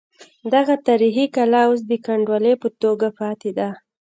دغه تاریخي کلا اوس د کنډوالې په توګه پاتې ده.